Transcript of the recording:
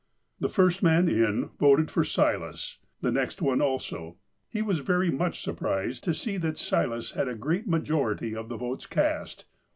The first man in voted for Silas. The next one also. He was very much surprised to see that Silas had a great majority of the votes cast.